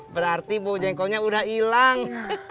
berarti bu jengkolnya udah hilang